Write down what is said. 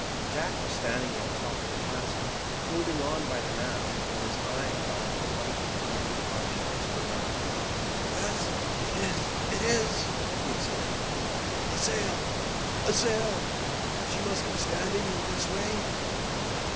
Jack was standing on the top of the cask, holding on by the mast, when his eye fell on a white glittering object to the northward. "Yes, it is! it is!" he exclaimed; "a sail! a sail! she must be standing this way."